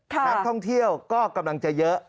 นักท่องเที่ยวก็กำลังจะเยอะ